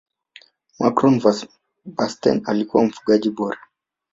marco van basten alikuwa mfungaji bora